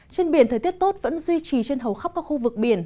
trên biển thời tiết tốt vẫn duy trì trên hầu khắp các khu vực biển